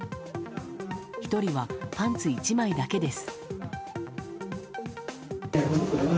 １人はパンツ１枚だけです。